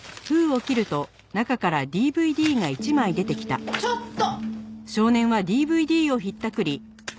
ちょっちょっと！